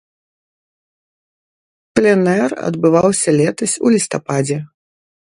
Пленэр адбываўся летась у лістападзе.